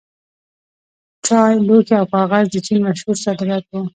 چای، لوښي او کاغذ د چین مشهور صادرات وو.